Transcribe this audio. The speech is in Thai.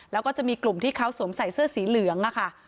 แล้วก็จะมีกลุ่มที่เขาสวมใส่เสื้อสีเหลืองค่ะ